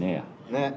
ねっ。